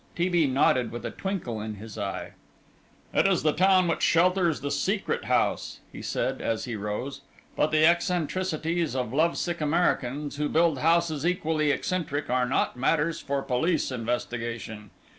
T. B. nodded with a twinkle in his eye. "It is the town which shelters the Secret House," he said, as he rose, "but the eccentricities of lovesick Americans, who build houses equally eccentric, are not matters for police investigation.